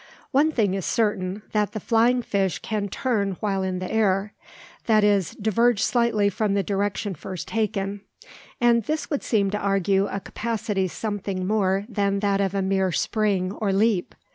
One thing is certain, that the flying fish can turn while in the air, that is, diverge slightly from the direction first taken; and this would seem to argue a capacity something more than that of a mere spring or leap.